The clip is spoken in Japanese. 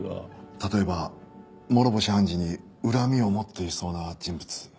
例えば諸星判事に恨みを持っていそうな人物。